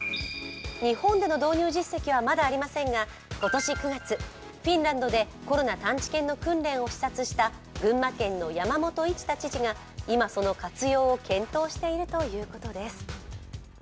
日本での導入実績はまだありませんが、今年９月、フィンランドでコロナ探知犬の訓練を視察した群馬県の山本一太知事が今、その活用を検討しているということです。